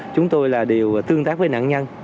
chúng tôi là đều tương tác với nạn nhân